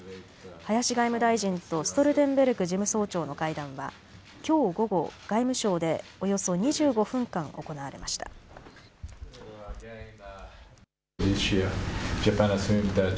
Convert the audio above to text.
林外務大臣とストルテンベルグ事務総長の会談はきょう午後、外務省でおよそ２５分間行われました。